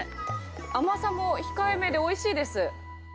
甘さも控えめでおいしいです。